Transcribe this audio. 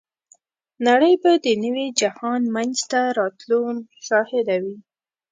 نړۍ به د نوي جهان منځته راتلو شاهده وي.